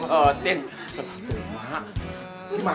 terima kasih mak